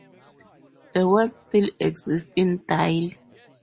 The word still exists in dial.